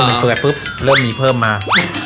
แล้วแบบปุ๊บเริ่มมีเพิ่มมา